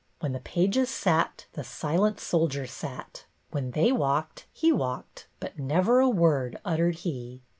When the pages sat, the silent soldier sat; when they walked, he walked ; but never a word uttered he.